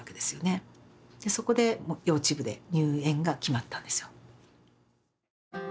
そこで幼稚部で入園が決まったんですよ。